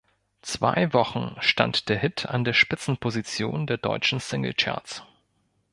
Zwei Wochen stand der Hit an der Spitzenposition der deutschen Singlecharts.